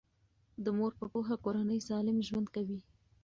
د مور په پوهه کورنۍ سالم ژوند کوي.